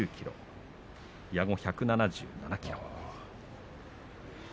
矢後、１７７ｋｇ。